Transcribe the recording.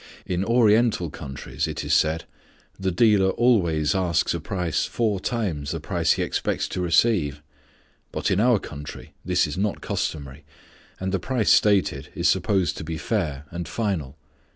In Oriental countries, it is said, the dealer always asks at first four times the price he expects to receive, but in our country this is not customary, and the price stated is supposed to be fair and final.